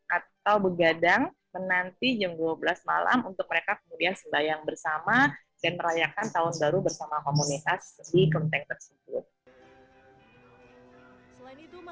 atau begadang menanti jam dua belas malam untuk mereka kemudian sembayang bersama dan merayakan tahun baru bersama komunitas di kelenteng tersebut